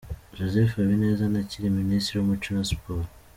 Joseph Habineza ntakiri Minisitiri w'Umuco na Siporo.